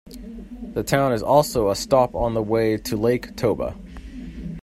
The town is also a stop on the way to Lake Toba.